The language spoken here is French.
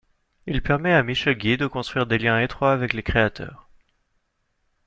Il permet à Michel Guy de construire des liens étroits avec les créateurs.